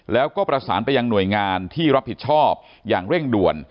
แล้วก็ประสานไปยังหน่วยงานที่รับผิดชอบอย่างเร่งด่วน